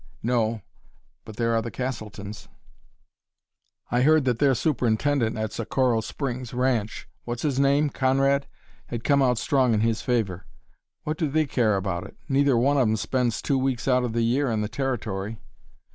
"No; but there are the Castletons." "I heard that their superintendent at Socorro Springs ranch what's his name? Conrad? had come out strong in his favor. What do they care about it? Neither one of 'em spends two weeks out of the year in the Territory."